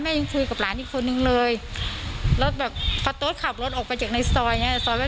แม่ยังคุยกับหลานอีกคนนึงเลยแล้วแบบพาโต๊ะขับรถออกไปจากในซอยไง